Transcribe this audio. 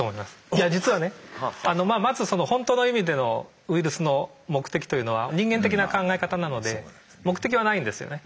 いや実はねまずその本当の意味でのウイルスの目的というのは人間的な考え方なので目的はないんですよね。